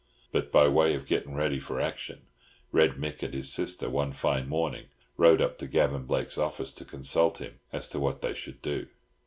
But by way of getting ready for action Red Mick and his sister one fine morning rode up to Gavan Blake's office to consult him as to what they should do.